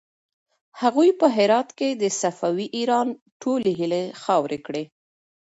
هغوی په هرات کې د صفوي ایران ټولې هيلې خاورې کړې.